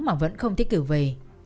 mà vẫn không thích cử về